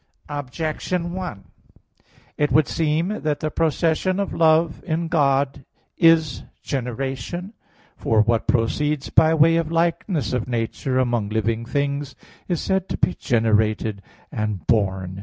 Objection 1: It would seem that the procession of love in God is generation. For what proceeds by way of likeness of nature among living things is said to be generated and born.